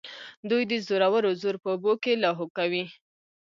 دوی د زورورو زور په اوبو کې لاهو کوي.